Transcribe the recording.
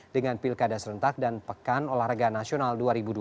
dengan pilkada serentak dan pekan olahraga nasional dua ribu dua puluh